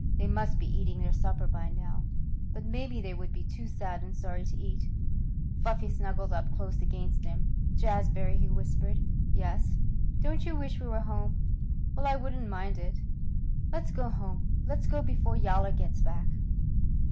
They must be eating their supper by now. But maybe they would be too sad and sorry to eat. Fluffy snuggled up close against him. "Jazbury!" he whispered. "Yes." "Don't you wish we were home?" "Well, I wouldn't mind it." "Let's go home. Let's go before Yowler gets back."